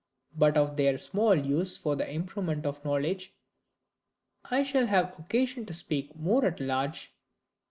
But of their small use for the improvement of knowledge I shall have occasion to speak more at large, l.